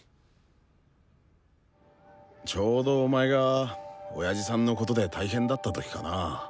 ちょうどお前が親父さんのことで大変だった時かな？